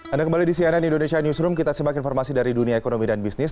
anda kembali di cnn indonesia newsroom kita simak informasi dari dunia ekonomi dan bisnis